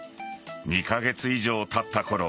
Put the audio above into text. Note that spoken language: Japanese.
２カ月以上たったころ